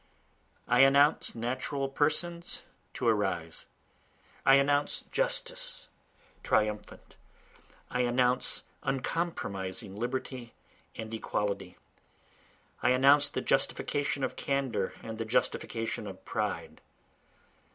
I announce natural persons to arise, I announce justice triumphant, I announce uncompromising liberty and equality, I announce the justification of candor and the justification of pride.